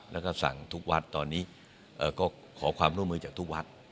แล้วก็สั่งทุกวัดตอนนี้ก็ขอความร่วมมือจากทุกวัด